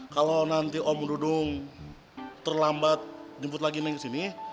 kalau nanti om dudung terlambat jemput lagi naik ke sini